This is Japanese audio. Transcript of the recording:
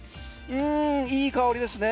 いい香りですね。